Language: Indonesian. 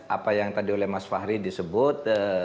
apa yang tadi oleh mas fahri disebut